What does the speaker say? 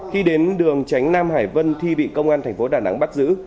khi đến đường tránh nam hải vân thì bị công an thành phố đà nẵng bắt giữ